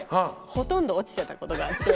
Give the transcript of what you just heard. ほとんど落ちてたことがあって。